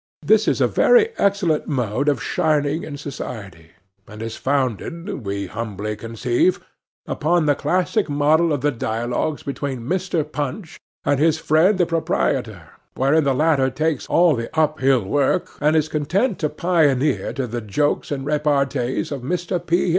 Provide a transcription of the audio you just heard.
This is a very excellent mode of shining in society, and is founded, we humbly conceive, upon the classic model of the dialogues between Mr. Punch and his friend the proprietor, wherein the latter takes all the up hill work, and is content to pioneer to the jokes and repartees of Mr. P.